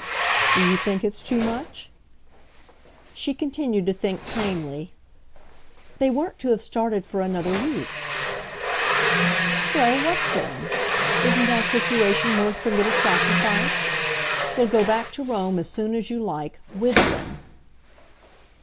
"Do you think it's too much?" She continued to think plainly. "They weren't to have started for another week." "Well, what then? Isn't our situation worth the little sacrifice? We'll go back to Rome as soon as you like WITH them."